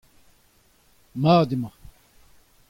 mat emañ.